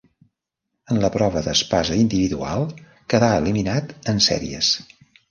En la prova d'espasa individual quedà eliminat en sèries.